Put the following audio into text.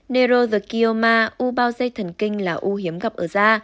neuro the kioma u bao dây thần kinh là u hiếm gặp ở da